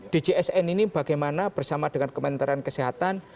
djsn ini bagaimana bersama dengan kementerian kesehatan